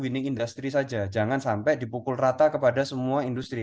winning industry saja jangan sampai dipukul rata kepada semua industri